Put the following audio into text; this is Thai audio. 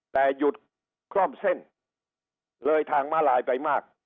แต่หยุดคล่อมเส้นเลยทางมาลายไปมาก